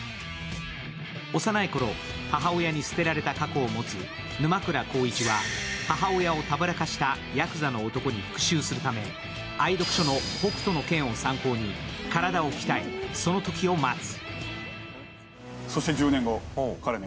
幼いころ、母親に捨てられた過去を持つ母親をたぶらかしたやくざの男に復しゅうするため愛読書の「北斗の拳」を参考に体を鍛え、その時を待つ。